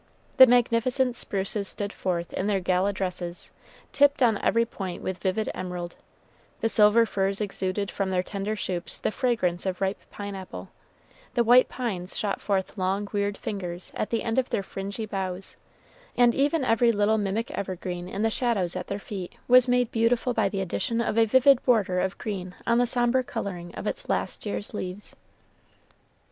The magnificent spruces stood forth in their gala dresses, tipped on every point with vivid emerald; the silver firs exuded from their tender shoots the fragrance of ripe pineapple; the white pines shot forth long weird fingers at the end of their fringy boughs; and even every little mimic evergreen in the shadows at their feet was made beautiful by the addition of a vivid border of green on the sombre coloring of its last year's leaves.